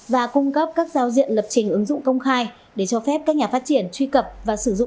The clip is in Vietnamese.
và cung cấp các giao diện lập trình ứng dụng công khai để cho phép các nhà phát triển truy cập và sử dụng